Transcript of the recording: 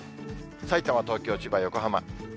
さいたま、東京、千葉、横浜。